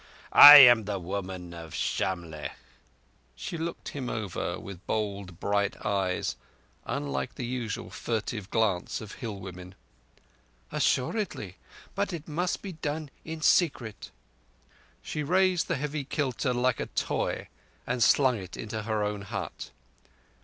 I am the Woman of Shamlegh." She looked him over with bold, bright eyes, unlike the usual furtive glance of hillwomen. "Assuredly. But it must be done in secret." She raised the heavy kilta like a toy and slung it into her own hut.